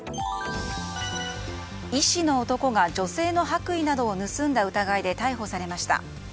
医師の男が女性の白衣などを盗んだ疑いで逮捕されました。